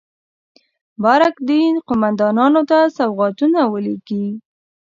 بارک دین قوماندانانو ته سوغاتونه ولېږي.